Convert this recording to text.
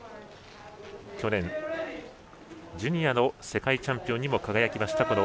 去年ジュニアの世界チャンピオンにも輝きました